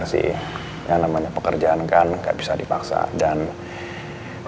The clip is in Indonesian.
saya ke kantor pak ari sekarang